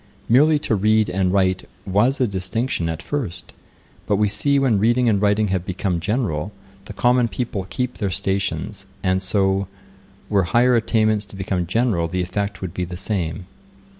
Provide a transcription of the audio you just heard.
Merely to read and write was a distinction at first; but we see when reading and writing have become general, the common people keep their stations. And so, were higher attainments to become general the effect would be the same.'